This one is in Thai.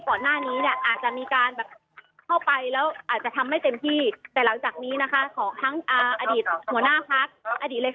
ก็จะโลดแล่นทำกิจกรรมในอย่างเต็มที่ทั่วประเทศ